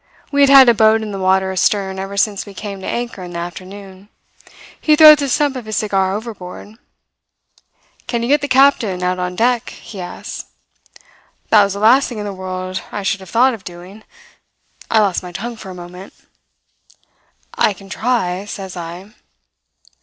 We had had a boat in the water astern ever since we came to anchor in the afternoon. He throws the stump of his cigar overboard. "'Can you get the captain out on deck?' he asks. "That was the last thing in the world I should have thought of doing. I lost my tongue for a moment. "'I can try,' says I.